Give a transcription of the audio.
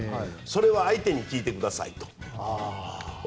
それは相手に聞いてくださいと。